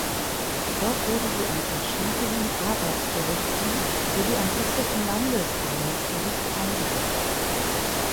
Dort wurde sie an verschiedenen Arbeitsgerichten sowie am Hessischen Landesarbeitsgericht eingesetzt.